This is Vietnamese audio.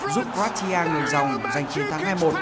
giúp quartia ngược dòng giành chiến thắng ngày một